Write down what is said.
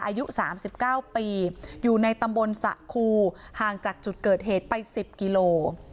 อายุสามสิบเก้าปีอยู่ในตำบลสะคูห่างจากจุดเกิดเหตุไปสิบกิโล